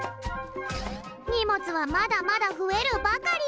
にもつはまだまだふえるばかり。